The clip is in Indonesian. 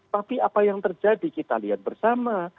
tapi apa yang terjadi kita lihat bersama